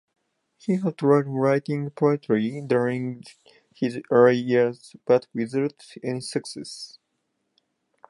He had tried writing poetry during his early years but without any success.